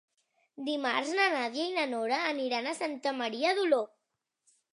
Dimarts na Nàdia i na Nora iran a Santa Maria d'Oló.